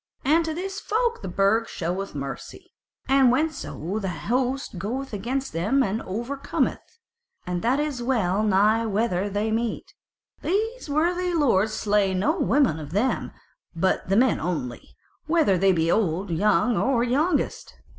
And to this folk the Burg showeth mercy, and whenso the host goeth against them and over cometh (and that is well nigh whenever they meet) these worthy lords slay no woman of them, but the men only, whether they be old or young or youngest.